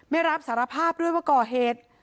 ไม่รับสารภาพด้วยว่าก่อเหตุ